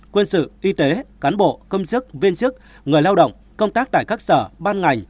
quân sự y tế cán bộ công chức viên chức người lao động công tác tại các sở ban ngành